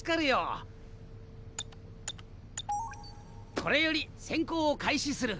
これより潜行を開始する。